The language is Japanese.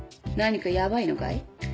何かヤバいのかい？